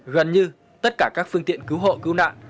gần như tất cả các phương tiện cứu hộ cứu nạn